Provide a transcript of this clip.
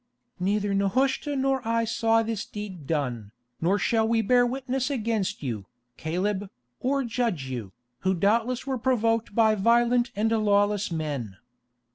"Neither Nehushta nor I saw this deed done, nor shall we bear witness against you, Caleb, or judge you, who doubtless were provoked by violent and lawless men.